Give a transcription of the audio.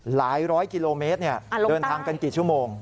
ร้อยกิโลเมตรเดินทางกันกี่ชั่วโมง